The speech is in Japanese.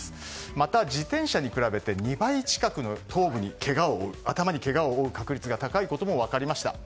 また、自転車に比べて２倍近く頭部にけがを負う確率が高いことも分かりました。